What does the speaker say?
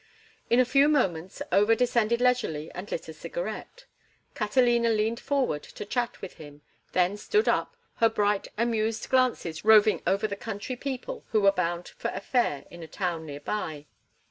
In a few moments Over descended leisurely and lit a cigarette. Catalina leaned forward to chat with him, then stood up, her bright, amused glances roving over the country people who were bound for a fair in a town near by.